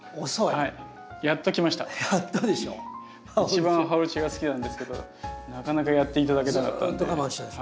一番ハオルチアが好きなんですけどなかなかやって頂けなかったんで。